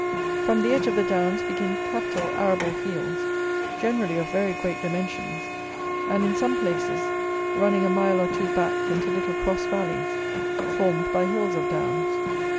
From the edge of the downs begin capital arable fields generally of very great dimensions, and, in some places, running a mile or two back into little cross valleys, formed by hills of downs.